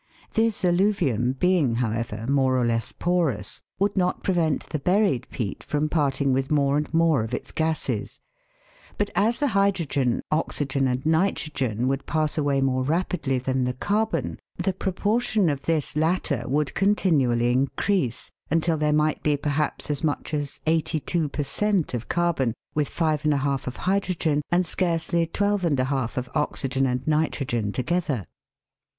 This alluvium being, however, more or less porous, would not prevent the buried peat from parting with more and more of its gases ; but as the hydrogen, oxygen, and nitrogen, would pass away more rapidly than the carbon, the proportion of this latter would continually increase, until there might be perhaps as much as eighty two per cent, of carbon, with five and a half of hydrogen, and scarcely twelve and a half of oxygen and nitrogen together. 184 THE WORLD'S LUMBER ROOM.